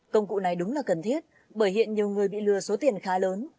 công cụ này đúng là cần thiết bởi hiện nhiều người bị lừa số tiền khá lớn